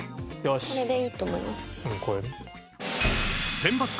これでいいと思います。